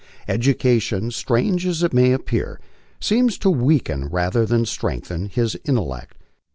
Education, strange as it may appear, seems to weaken rather than strengthen his intellect.